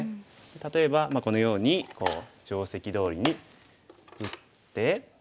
例えばこのように定石どおりに打って。